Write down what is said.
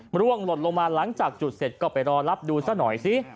ร่วงหล่นลงมาหลังจากจุดเสร็จก็ไปรอรับดูซะหน่อยสิ